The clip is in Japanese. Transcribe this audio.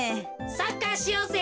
サッカーしようぜ。